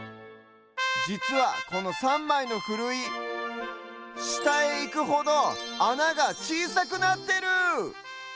じつはこの３まいのふるいしたへいくほどあながちいさくなってる！